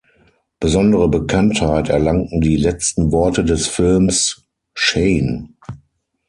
Besondere Bekanntheit erlangten die letzten Worte des Films: „Shane.